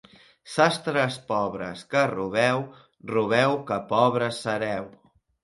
Sastres pobres que robeu, robeu que pobres sereu.